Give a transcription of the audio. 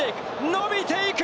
伸びていく！